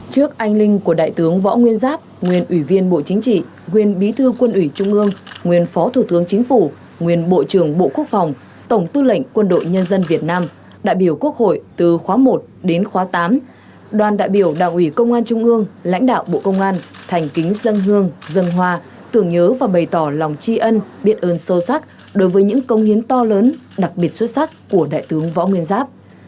trước anh linh của đại tướng võ nguyên giáp nguyên ủy viên bộ chính trị nguyên bí thư quân ủy trung ương nguyên phó thủ tướng chính phủ nguyên bộ trưởng bộ quốc phòng tổng tư lệnh quân đội nhân dân việt nam đại biểu quốc hội từ khóa một đến khóa tám đoàn đại biểu đảng ủy công an trung ương lãnh đạo bộ công an thành kính dân hương dân hòa tưởng nhớ và bày tỏ lòng tri ân biệt ơn sâu sắc đối với những công hiến to lớn đặc biệt xuất sắc của đại tướng võ nguyên giáp